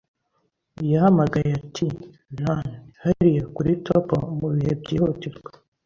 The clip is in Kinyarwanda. Yahamagaye ati Lan hariya kuri Toppo mu bihe byihutirwa